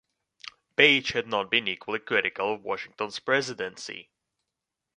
Bache had not been equally critical of Washington's presidency.